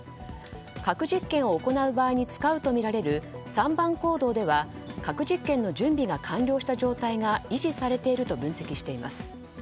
核実験を行う場合に使うとみられる３番坑道では、核実験の準備が完了した状態が維持されていると分析しています。